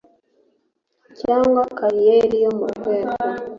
cyangwa kariyeri yo mu rwego